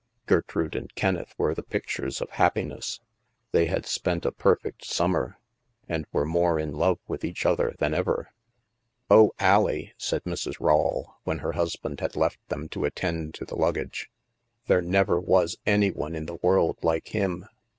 Gertrude and Kenneth were the pictures of happi ness; they had spent a perfect summer, and were more in love with each other than ever. " Oh, AUie," said Mrs. Rawle, when her husband had left them to attend to the luggage, " there never was any one in the world like him.